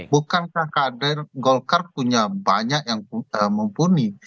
bukankah kader golkar punya banyak yang mumpuni